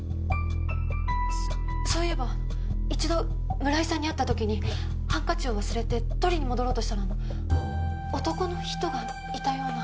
そういえば一度村井さんに会った時にハンカチを忘れて取りに戻ろうとしたら男の人がいたような。